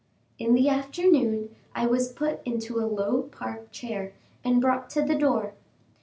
In the afternoon I was put into a low Park chair and brought to the door.